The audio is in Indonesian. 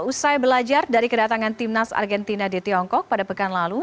usai belajar dari kedatangan timnas argentina di tiongkok pada pekan lalu